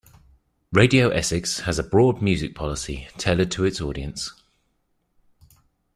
Radio Essex has a broad music policy, tailored to its audience.